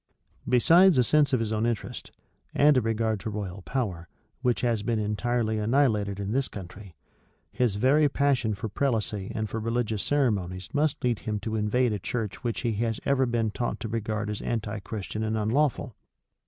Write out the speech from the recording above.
Besides a sense of his own interest, and a regard to royal power, which has been entirely annihilated in this country, his very passion for prelacy and for religious ceremonies must lead him to invade a church which he has ever been taught to regard as anti Christian and unlawful.